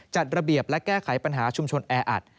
จัดระเบียบและแก้ไขปัญหาชุมชนแออัด